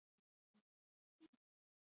کلتوري پوهه لوړ لارښوونې شاملوي.